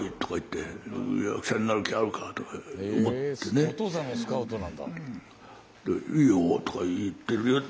へお父さんのスカウトなんだ。